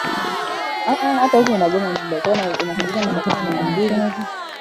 iliuweze kutawala katika nchi za afrika lazima uwe na mambo makuu manne